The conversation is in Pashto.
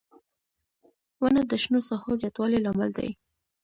• ونه د شنو ساحو زیاتوالي لامل دی.